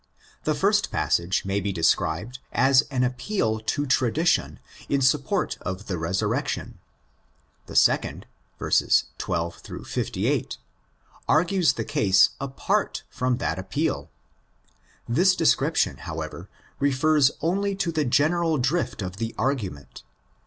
The first passage may be described as an appeal to tradition in support of the resurrection ; the second (12 58) argues the case apart from that appeal. This description, however, refers only to the general drift of the argument.